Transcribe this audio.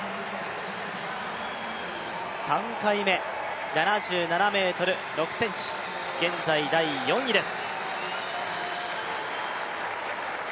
３回目、７７ｍ６ｃｍ、現在第４位です。